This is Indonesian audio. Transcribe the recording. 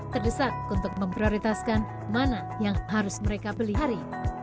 terdesak untuk memprioritaskan mana yang harus mereka beli hari